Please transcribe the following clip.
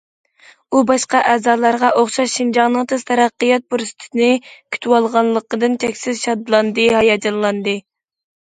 ئۇ باشقا ئەزالارغا ئوخشاش، شىنجاڭنىڭ تېز تەرەققىيات پۇرسىتىنى كۈتۈۋالغانلىقىدىن چەكسىز شادلاندى، ھاياجانلاندى.